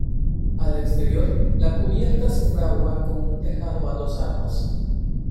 Al exterior, la cubierta se fragua con un tejado a dos aguas.